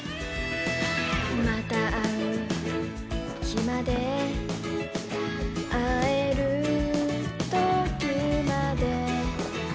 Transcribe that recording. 「またう日までえる時まで」